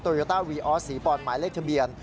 โยต้าวีออสสีปอนหมายเลขทะเบียน